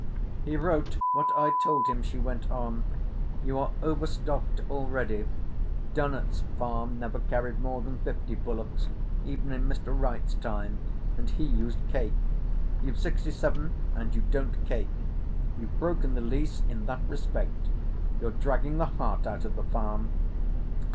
"He wrote what I told him," she went on. "You are overstocked already. Dunnett's Farm never carried more than fifty bullocks—even in Mr. Wright's time. And he used cake. You've sixty seven and you don't cake. You've broken the lease in that respect. You're dragging the heart out of the farm."